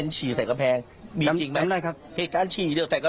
ไม่มีครับมีอีกคนบอกว่าถ้าฉีดเรียวหน่อย